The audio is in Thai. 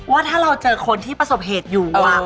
ว่าถ้าเราเจอคนที่ประสบเหตุอยู่